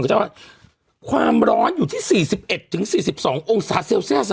เรื่องได้ว่าความร้อนอยู่ที่สี่สิบเอ็ดจึงสี่สิบสององศาเซลเซลซ์อ่ะ